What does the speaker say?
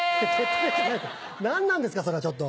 何なんですかそれはちょっと。